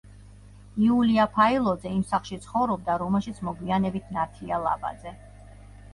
იულია ფაილოძე იმ სახლში ცხოვრობდა, რომელშიც მოგვიანებით ნათია ლაბაძე.